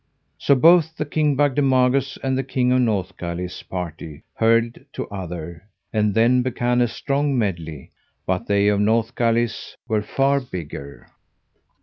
So both the King Bagdemagus' and the King of Northgalis' party hurled to other; and then began a strong medley, but they of Northgalis were far bigger.